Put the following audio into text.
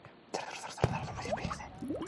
그 소리는 이 고요한 숲을 한층더 고요하게 하였다.